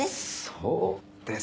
「そうですね」